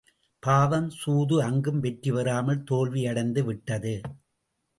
பாவம், சூது அங்கும் வெற்றி பெறாமல் தோல்வியடைந்து விட்டது.